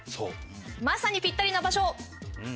まさにぴったりな場所